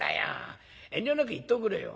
遠慮なく言っておくれよ。